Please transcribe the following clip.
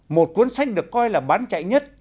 một cuốn sách được coi là bán chạy nhất